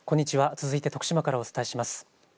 続いて徳島からお伝えします。